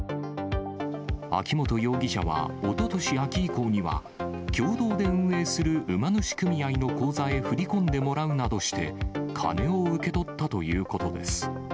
秋本容疑者はおととし秋以降には、共同で運営する馬主組合の口座へ振り込んでもらうなどして、金を受け取ったということです。